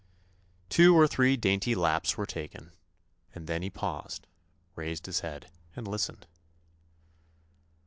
Two or three dainty laps were taken, and then he paused, raised his head, and listened.